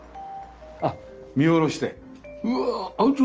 あっ見下ろしてうわあ！